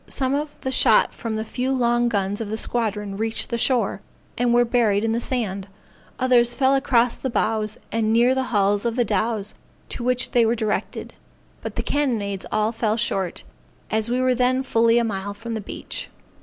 Some of the shot from the few long guns of the squadron reached the shore, and were buried in the sand; others fell across the bows and near the hulls of the dows to which they were directed; but the cannonades all fell short, as we were then fully a mile from the beach.